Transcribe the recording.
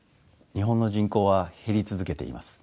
日本の人口は減り続けています。